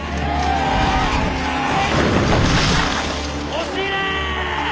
押し入れ！